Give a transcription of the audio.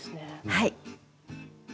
はい。